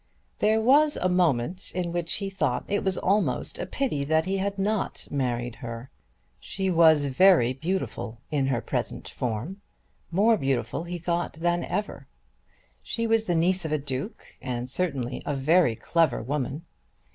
There was a moment in which he thought it was almost a pity that he had not married her. She was very beautiful in her present form, more beautiful he thought than ever. She was the niece of a Duke, and certainly a very clever woman.